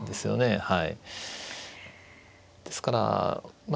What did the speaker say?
はい。